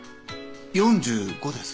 ４５です。